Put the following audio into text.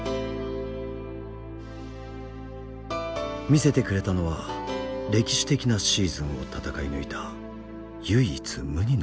見せてくれたのは歴史的なシーズンを闘い抜いた唯一無二の勲章。